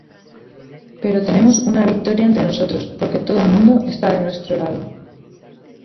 Pero tenemos una victoria entre nosotros, porque todo el mundo está de nuestro lado.